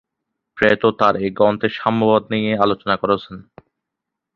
Plato তার এই গ্রন্থে সাম্যবাদ নিয়ে আলোচনা করেছেন।